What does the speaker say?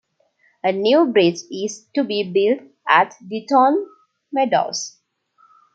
A new bridge is to be built at Ditton Meadows.